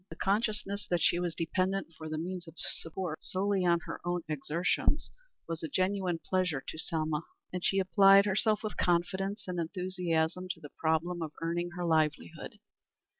The consciousness that she was dependent for the means of support solely on her own exertions was a genuine pleasure to Selma, and she applied herself with confidence and enthusiasm to the problem of earning her livelihood.